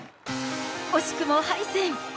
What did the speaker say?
惜しくも敗戦。